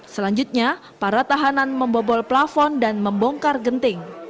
selanjutnya para tahanan membobol plafon dan membongkar genting